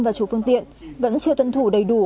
và chủ phương tiện vẫn chưa tuân thủ đầy đủ